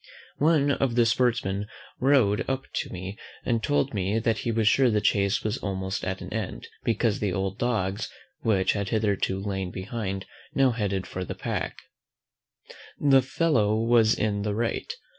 One of the sportsmen rode up to me, and told me that he was sure the chace was almost at an end, because the old dogs, which had hitherto lain behind, now headed the pack. The fellow was in the right.